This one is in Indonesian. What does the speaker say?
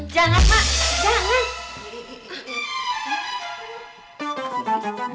jangan mak jangan